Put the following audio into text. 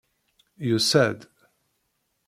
Yusa-d!